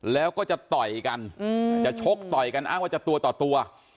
แล้วก็จะต่อยกันจะชกต่อยกันอ้างว่าจะตัวต่อตัว